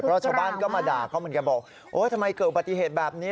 เพราะชาวบ้านก็มาด่าเขาก็บอกโอ๊ยทำไมเกิดปฏิเหตุแบบนี้